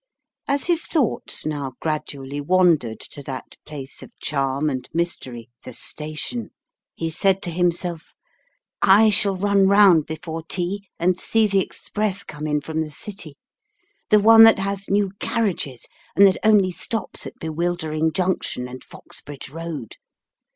As his thoughts now gradually wandered to that place of charm and mystery, the station, he said to himself, " I shall run round before tea and see the express come in from the city the one that has new carriages and that only stops at Bewildering Junction and Fox bridge Road.